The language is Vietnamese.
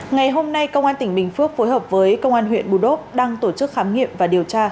ngày hôm nay công an tỉnh bình phước phối hợp với công an huyện bù đốp đang tổ chức khám nghiệm và điều tra